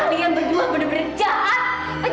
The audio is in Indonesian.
kalian berdua benar benar jahat